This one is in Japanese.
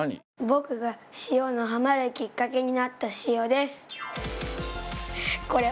僕が塩にハマるきっかけになった塩です。